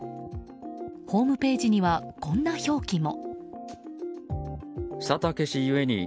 ホームページにはこんな表記も。